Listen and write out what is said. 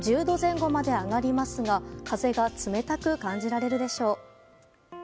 １０度前後まで上がりますが風が冷たく感じられるでしょう。